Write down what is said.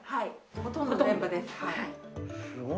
ほとんど全部ですはい。